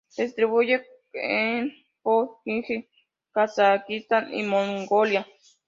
Se distribuye por Xinjiang, Kazajistán y Mongolia.